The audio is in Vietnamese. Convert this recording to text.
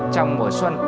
trong mùa xuân